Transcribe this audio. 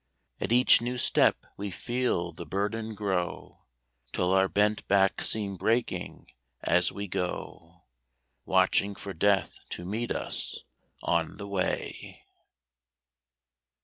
At each new step we feel the burden grow, Till our bent backs seem breaking as we go, Watching for Death to meet us on the way.